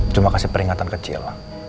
cuma kasih peringatan kecil